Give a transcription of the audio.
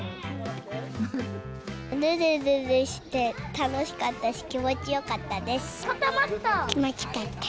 ぬるぬるして楽しかったし、気持ちよかった。